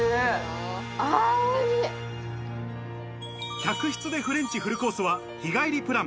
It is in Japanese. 客室でフレンチフルコースは日帰りプラン。